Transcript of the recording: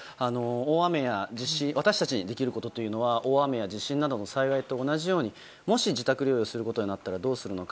私たちにできることというのは大雨や地震などの災害と同じようにもし自宅療養することになったらどうするのか。